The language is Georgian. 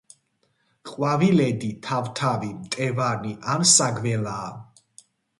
ყვავილედი თავთავი, მტევანი ან საგველაა.